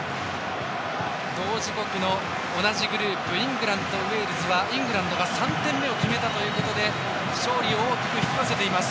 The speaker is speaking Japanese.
同時刻の同じグループイングランドとウェールズはイングランドが３点目を決めたということで勝利を大きく引き寄せています。